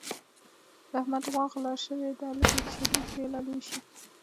د احمد غوا غله شوې ده لږې لږې شیدې ترې را لوشي.